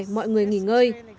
mọi người nghỉ ngơi